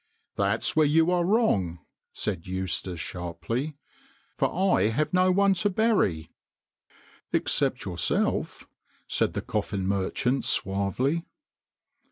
" That's where you are wrong," said Eustace sharply, " for I have no one to bury." " Except yourself," said the coffin merchant suavely.